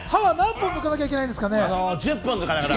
雅紀さん、歯は何本抜かなきゃいけないんですか？